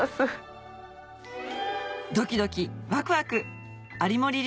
ドキドキワクワク有森流